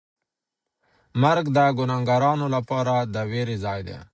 مرګ د ګناهکارانو لپاره د وېرې ځای دی.